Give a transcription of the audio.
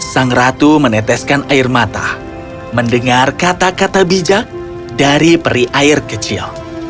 sang ratu meneteskan air mata mendengar kata kata bijak dari peri air kecil